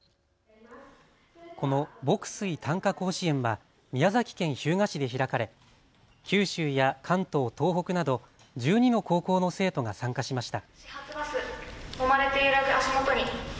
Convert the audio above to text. この牧水・短歌甲子園は宮崎県日向市で開かれ九州や関東、東北など１２の高校の生徒が参加しました。